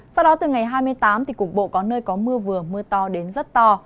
sau đó từ ngày hai mươi tám thì cục bộ có nơi có mưa vừa mưa to đến rất to